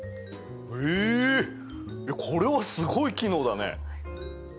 これはすごい機能だね。